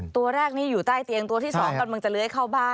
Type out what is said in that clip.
ตัวแรกนี้อยู่ใต้เตียงตัวที่๒กำลังจะเลื้อยเข้าบ้าน